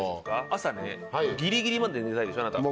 朝ねギリギリまで寝たいでしょあなた。